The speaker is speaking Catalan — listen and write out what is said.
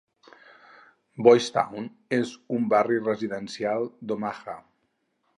Boys Town és un barri residencial d'Omaha.